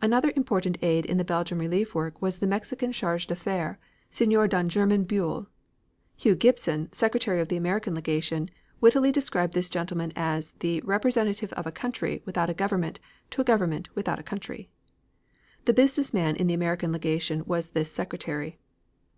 Another important aid in the Belgian relief work was the Mexican Charge d'Affaires Senor don German Bulle. Hugh Gibson, secretary of the American Legation, wittily described this gentleman as the "representative of a country without a government to a government without a country." The businessman in the American Legation was this secretary.